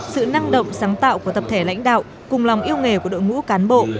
sự năng động sáng tạo của tập thể lãnh đạo cùng lòng yêu nghề của đội ngũ cán bộ